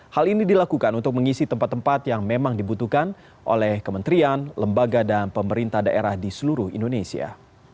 hal ini dilakukan untuk mengisi tempat tempat yang memang dibutuhkan oleh kementerian lembaga dan pemerintah daerah di seluruh indonesia